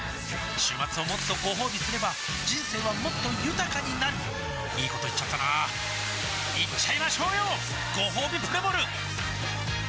週末をもっとごほうびすれば人生はもっと豊かになるいいこと言っちゃったなーいっちゃいましょうよごほうびプレモル